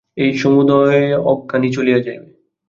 এই সমুদয় অজ্ঞানই চলিয়া যাইবে।